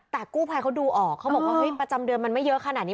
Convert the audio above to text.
แต่กู้ภัยเขาดูออกเขาบอกว่าเฮ้ยประจำเดือนมันไม่เยอะขนาดนี้